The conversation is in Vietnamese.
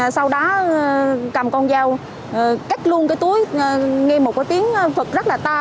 sau đó cầm con dao cách luôn cái túi nghe một cái tiếng phật rất là ta